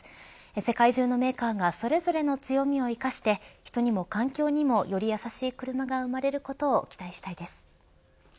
世界中のメーカーがそれぞれの強みを生かして人にも環境にもより優しい車が生まれることを期待したいです。